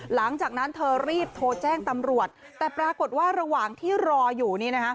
หลังจากนั้นเธอรีบโทรแจ้งตำรวจแต่ปรากฏว่าระหว่างที่รออยู่นี่นะคะ